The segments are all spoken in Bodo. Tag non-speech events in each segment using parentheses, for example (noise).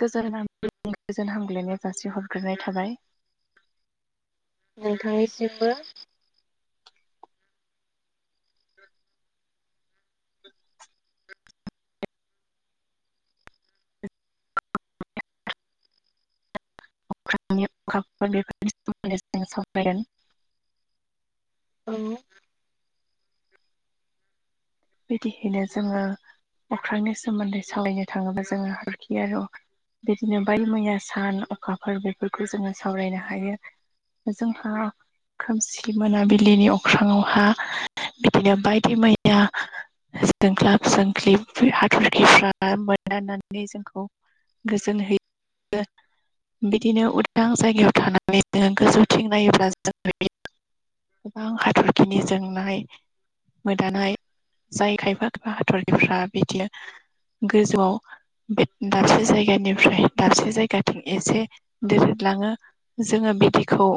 गोजान गोजोन हामग्लायनाय जासि हरग्रोनाय थाबाय। नोंथांनिसिमबो। अख्रांनि अखाफोर बेफोरनि सोमोन्दै जोंयो सावरायगोन। औ। बिदियैनो जोङो अख्रांनि सोमोन्दै सारायनो थाङोबा जोङो हाथरखि आरो बिदिनो बायदि मैया सान अखाफोर बेफोरखौ जोङो सावरायनो हायो। जोंहा खोमसि मोनाबिलिनि अख्राङावहा बिदिनो बायदि मैया जोंख्लाब जोंख्लिब हाथरखिफ्रा मोननानै जोंखौ गोजोन होयो। बिदिनो उदां जायगायाव थानानै जोङो गोजौथिं नायोब्ला जों गोबां हाथरखिनि जोंनाय मोदानाय जाय खायफा खायफा हाथरखिफ्रा बिदिनो गोजौआव बे दाबसे जायगानिफ्राय दाबसे जायगाथिं एसे दोरोदलाङो। जोङो बिदिखौ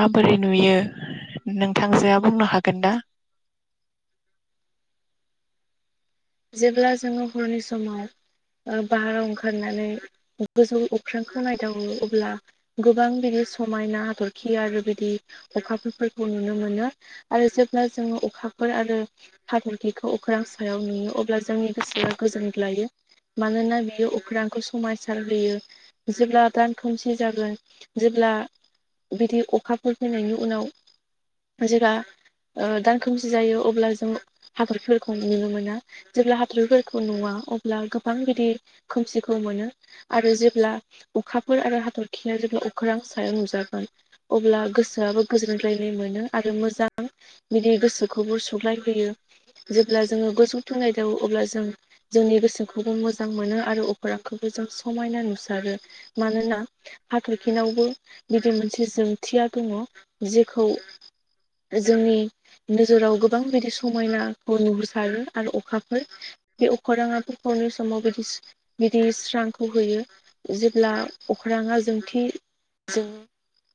माबोरै नुयो नोंथांजोआ बुंनो हागोन ना? जेब्ला जोङो हरनि समाव ओ भाहाराव ओंखारनानै गोजौ अख्रांखौ नायदावो अब्ला गोबां बिदि समायना हाथरखि आरो बिदि अखाफोरफोरखौ नुनो मोनो। आरो जेब्ला जोङो अखाफोर आरो हाथरखिखौ अख्रां सायाव नुयो। अब्ला जोंनि गोसोआ गोजोनग्लायो मानोना बियो अख्रांखौ समायसार होयो। जेब्ला दान खोमसि जागोन जेब्ला बिदि अखाफोर फैनायनि उनाव जोंहा ओ दान खोमसि जायो अब्ला जों हाखरफोरखौ नुनो मोना। जेब्ला हादरफोरखौ नुवा अब्ला गोबां बिदि खोमसिखौ मोनो। आरो जेब्ला अखाफोर आरो हाथरखिया जेब्ला अख्रां सायाव नुजागोन। अब्ला गोसोयाबो गोजोन्लायनाय मोनो आरो मोजां बिदि गोसोखौबो सुग्लायहोयो। जेब्ला जोङो गसौथों नायदावयो अब्ला जों जोंनि गोसो खौबो मोजां मोनो आरो अखोरांखौबो जों समायना नुसारो। मानोना हाथरखिनावबो बिदि मोनसे जोंथिया दङ जेखौ जोंनि नोजोराव गोबां बिदि समायनाखौ नुहुरसारो। आरो अखाफोर बे अखाेराङा हरनि समाव बिदि बिदि स्रांखौ होयो। जेब्ला अख्रांया जोंथि जों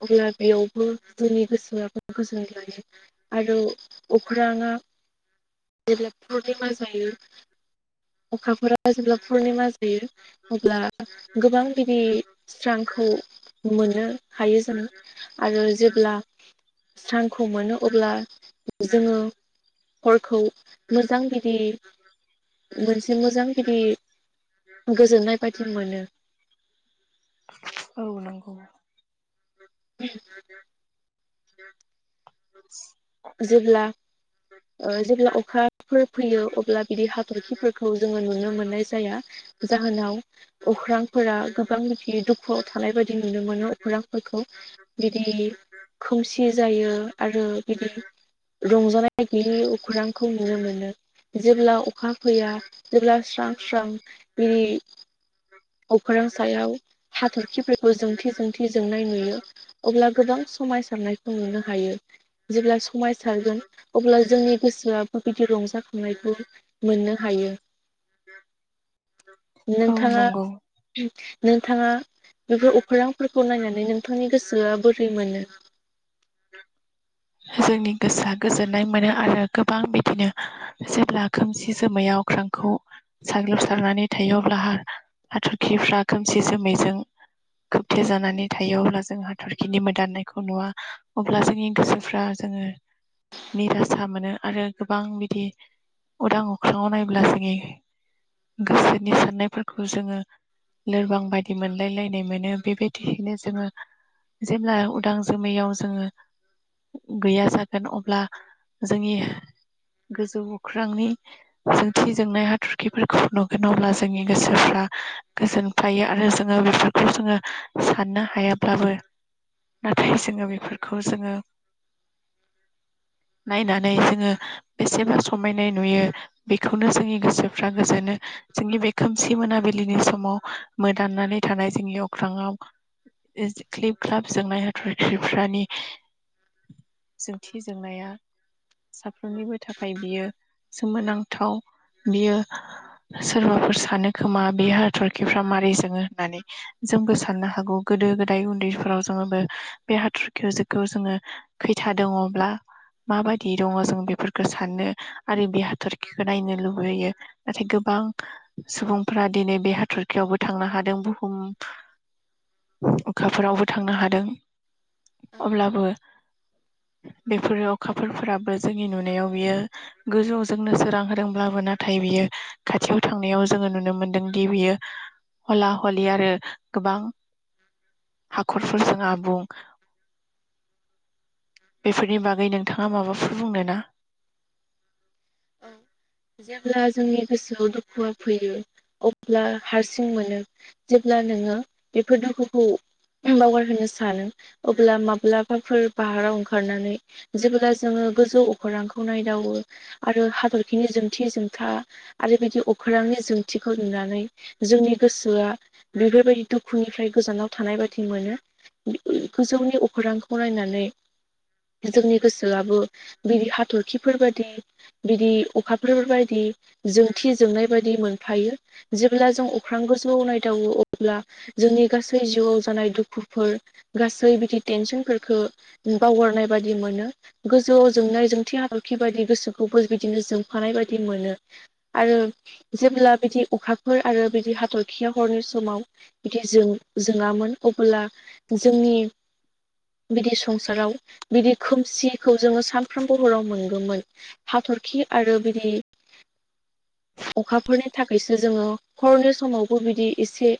अब्ला बेयावबो जोंनि गोसोआबो गोजोनग्लायो। आरो अख्राङा जेब्ला पुर्निमा जायो अखाफोरा जेब्ला पुर्निमा जा बेयो अब्ला गोबां बिदि स्रांखौ मोनो हायो जोङो आरो जेब्ला स्रांखौ मोनो अब्ला जोङो हरखौ मोजां बिदि मोनसे मोजां बिदि गोजोननाय बादि मोनो। औ नंगौ। (unintelligible) (unintelligible) जेब्ला ओ जेब्ला अखाफोर फैयो अब्ला बिदि हाथरखिफोरखौ जोङो नुनो मोननाय जाया। जाहोनाव अख्रांफोरा गोबांखि दुखुआव थानाय बायदि नुनो मोनो अख्रांफोरखौ। बिदि खोमसि जायो आरो बिदि रंजानायगैयि अख्रांखौ नुनो मोनो। जेब्ला अखा फैया, जेब्ला स्रां स्रां बिदि अख्रां सायाव हाथरखिफोरखौ जोंथि जोंथि जोंनाय नुयो। अब्ला गोबां समायसारनायखौ नुनो हायो। जेब्ला समायसारगोन अब्ला जोंनि गोसोआबो बिदि रंजाखांनायखौ मोननो हायो। औ नोंथाङा नंगौ नोंथाङा बेफोर अखोरांफोरखौ नायनानै नोंथांनि गोसोआ बोरै मोनो। जोंनि गोसोआ गोजोननाय मोनो आरो गोबां बिदिनो जेब्ला खोमसि जोमैयाव अख्रांखौ साग्लोबसारनानै थायो, अब्ला हा- हाथरखिफ्रा खोमसि जोमैजों खोबथे जानानै थायो, अब्ला जों हाथरखिनि मोदाननायखौ नुवा अब्ला जोंनि गोसोफ्रा जोङो निरासा मोनो, आरो गोबां बिदि उदां अख्राङाव नायब्ला जोंनि गोसोनि साननायफोरखौ जोङो लोरबां बायदि मोनलायलायनाय मोनो। बे बायदियैनो जोङो जेब्ला उदां जोमैयाव जोङो गैया जागोन अब्ला जोंनि गोजौ अख्रांनि जोंथि जोंनाय हाथरखिफोरखौ नुगोन अब्ला जोंनि गोसोफ्रा गोजोन थायो आरो जोङो बेफोरखौ जोङो साननो हायाब्लाबो नाथाय जोङो बेफोरखौ जोङो नायनानै जोङो बेसेबा समायनाय नुयो। बेखौनो जोंनि गोसोफ्रा गोजोनो जोंनि बे खोमसि मोनाबिलिनि समाव मोदाननानै थानाय जोंनि अख्राङाव ख्लिब ख्लाब जोंनाय हाथरख्रिफ्रानि जोंथि जोंनाया साफ्रोमनिबो थाखाय बियो सोमोनांथाव। बियो सोरबाफोर सानो खोमा बे हाथरखिफ्रा माबारै जोङो होननानै। जोंबो साननो हागौ गोदो गोदाइ उन्दैफोराव जोङोबो बे हाथरखिखौ जोङो खैथा दङब्ला माबायदि दङ जों बेफोरखौ साननो आरो बे हाथरखिखौ नायनो लुबैयो। नाथाय गोबां सुबुंफोरा दिनै बे हाथरखियावबो थांनो हादों। बुहुम अखाफोरावबो थांनो हादों। औ अब्लाबो बेफोरो अखाफोरफोराबो जोंनि नुनायाव बियो गोजौवाव जोंनो सोरां होदोंब्लाबो नाथाय बियो खाथियाव थांनायाव जोङो नुनो मोनदोंदि बियो हला हलि आरो गोबां खरफोरजों आबुं। बेफोरनि बागै नोंथाङा माबाफोर बुंनो ना? (unintelligible) जेब्ला जोंनि गोसोआव दुखुआ फैयो अब्ला हारसिं मोनो। जेब्ला नोङो बेफोर दुखुखौ बावगार होनो सानो अब्ला माब्लाबाफोर बाहाराव ओंखारनानै जेब्ला जोङो गोजौ अखरांखौ नायदावो आरो हादरखिनि जोंथि जोंथा आरो बिदि अखोरांनि जोंथिखौ नुनानै जोंनि गोसोआ बेफोरबायदि दुखुनिफ्राय गोजानाव थानाय बादि मोनो। गोजौनि अखरांखौ नायनानै जोंनि गोसोआबो बिदि हाथरखिफोर बादि बिदि अखाफोर बायदि जोंथि जोंनाय बायदि मोनफायो। जेब्ला जों अख्रां गोजौवाव नायदावो, अब्ला जोंनि गासै जिउआव जानाय दुखुफोर, गासै बिदि टेनसोनफोरखो उम बावगारनाय बायदि मोनो गोजौवाव जोंनाय जोंथि हा (unintelligible) बायदि गोसो खौबो बिदिनो जोंफानाय बायदि मोनो आरो जेब्ला बिदि अखाफोर आरो बिदि हाथरखिया हरनि समाव बिदि जों जोंङामोन अब्ला जोंनि बिदि संसाराव बिदि खोमसिखौ जोङो सानफ्रोमबो हराव मोनगोमोन। हाथरखि आरो बिदि अखाफोरनि थाखायसो जोङो खरनि समावबो बिदि एसे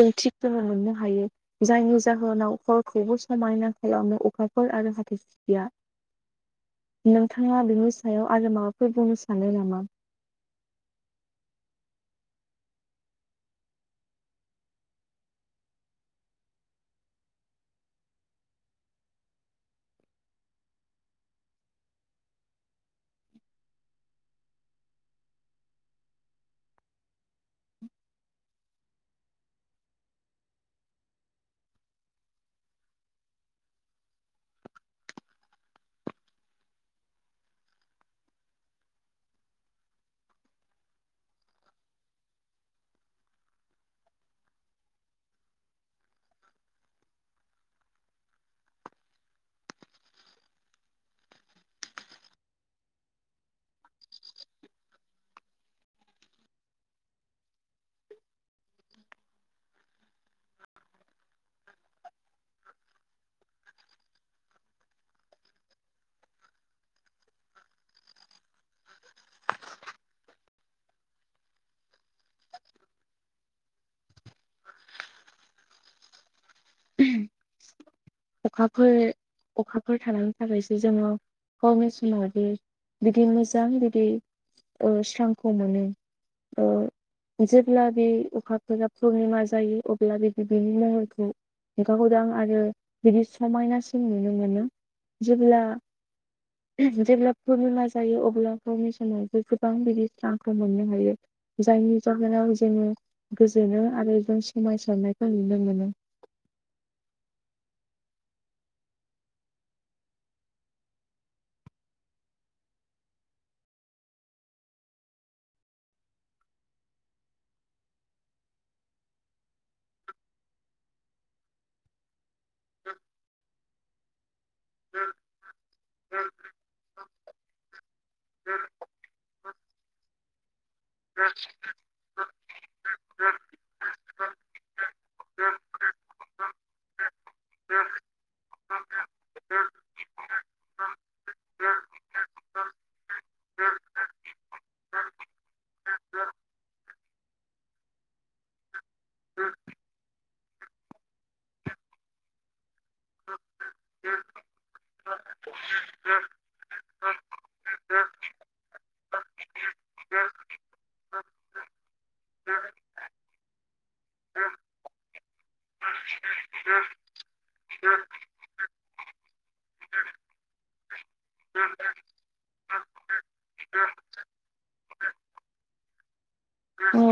जों थिग जोङो मोननो हायो। जायनि जाहोनाव हरखौबो समायना खालामनो अखाफोर आरो हाथाइ खु (unintelligible) नोंथाङा बिनि सायाव आरो माबाफोर बुंनो सानो नामा? अखाफोर अखाफोर थांनां थाखायसो जोङो गावनि समा (unintelligible) बिदि मोजा (unintelligible) औ। (unintelligible) जेब्ला बे अखा खाब पुर्निमा जायो अब्ला बे बिनि महखौ लेखा खौरां आरो बिदि समायनासिम नुनो मोनो जेब्ला जेब्ला फुरनिमा जायो अब्लाफोरनि समावबो गोबां बिदि स्रांखौ मोननो हायो। जायनि जाहोनाव जोङो गोजोनो आरो जों समायसारनायखौ नुनो मोनो। (unintelligible) औ